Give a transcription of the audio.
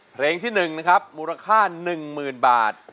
เพลงที่หนึ่งนะครับมูลค่า๑หมื่นบาท